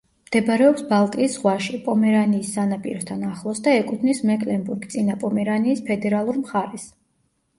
მდებარეობს ბალტიის ზღვაში, პომერანიის სანაპიროსთან ახლოს და ეკუთვნის მეკლენბურგ-წინა პომერანიის ფედერალურ მხარეს.